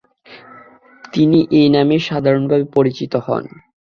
তিনি এই নামেই সাধারণভাবে পরিচিত হন।